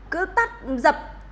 cứ tắt dập